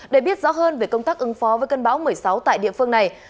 để biết rõ hơn về công tác ứng phó với cơn bão một mươi sáu tại địa phương này